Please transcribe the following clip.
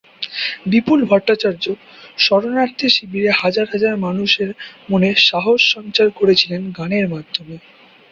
বিপুল ভট্টাচার্য শরণার্থী শিবিরের হাজার হাজার মানুষের মনে সাহস সঞ্চার করেছিলেন গানের মাধ্যমে।